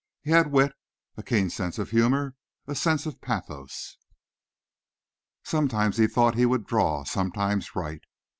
He had wit, a keen sense of humor, a sense of pathos. Sometimes he thought he would draw; sometimes write.